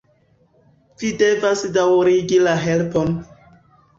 Vi devas daŭrigi la helpon!